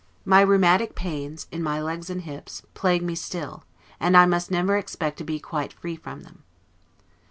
My rheumatic pains, in my legs and hips, plague me still, and I must never expect to be quite free from them.